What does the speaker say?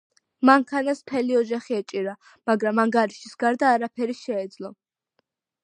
მანქანას მთელი ოთახი ეჭირა, მაგრამ ანგარიშის გარდა არაფერი შეეძლო